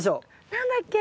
何だっけ？